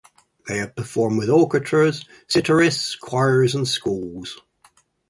They have performed with orchestras, sitarists, choirs and schools.